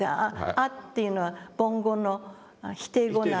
「ア」っていうのは梵語の否定語なんで。